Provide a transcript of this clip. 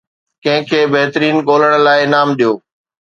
ڪنهن کي بهترين ڳولڻ لاء انعام ڏيو